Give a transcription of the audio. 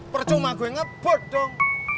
percuma gue ngebut dong